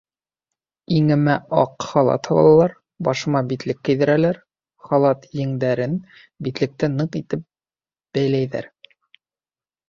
Иңемә аҡ халат һалалар, башыма битлек кейҙерәләр, халат еңдәрен, битлекте ныҡ итеп бәйләйҙәр.